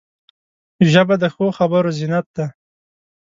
ژبه د ښو خبرو زینت ده